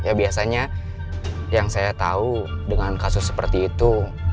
ya biasanya yang saya tahu dengan kasus seperti itu